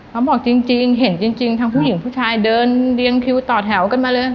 เขาบอกจริงเห็นจริงทั้งผู้หญิงผู้ชายเดินเรียงคิวต่อแถวกันมาเลย